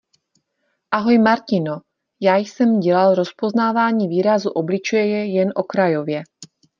Ahoj Martino, já jsem dělal rozpoznávání výrazu obličeje jen okrajově.